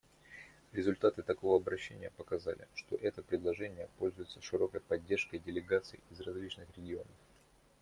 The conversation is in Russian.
Результаты такого обращения показали, что это предложение пользуется широкой поддержкой делегаций из различных регионов.